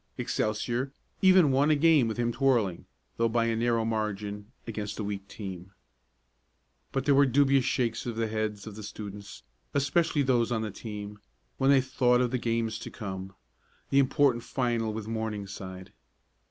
Excelsior even won a game with him twirling, though by a narrow margin, and against a weak team. But there were dubious shakes of the heads of the students especially those on the team when they thought of the games to come the important final with Morningside.